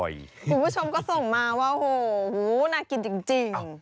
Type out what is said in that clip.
คุณผู้ชมก็ส่งมาว่าโหน่ากินจริง